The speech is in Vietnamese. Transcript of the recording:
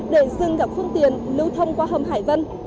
để dừng gặp phương tiện lưu thông qua hầm hải vân